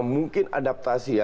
mungkin adaptasi ya